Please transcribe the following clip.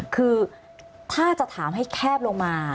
คือถ้าจะถามให้แคบลงมา